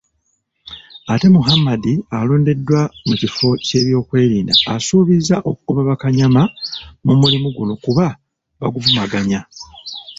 Ate Muhammad alondeddwa ku kifo ky'ebyokwerinda, asuubizza okugoba bakanyama mu mulimu guno kuba baguvumaganya.